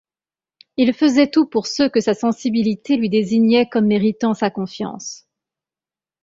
Il faisait tout pour ceux que sa sensibilité lui désignait comme méritant sa confiance.